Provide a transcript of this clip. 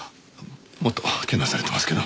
もっとけなされてますけど。